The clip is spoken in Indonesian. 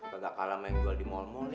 kagak kalah main jual di mall mall nih